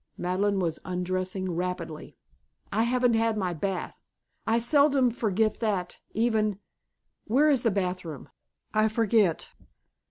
Madeleine was undressing rapidly. "I haven't had my bath. I seldom forget that, even where is the bath room? I forget."